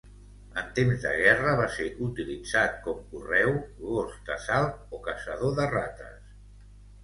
En temps de guerra va ser utilitzat com correu, gos d'assalt o caçador de rates.